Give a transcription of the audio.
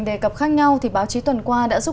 đề cập khác nhau thì báo chí tuần qua đã giúp